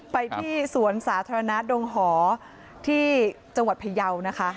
ไปที่สวนสาธารณะดงหอที่จังหวัดพยาวนะคะ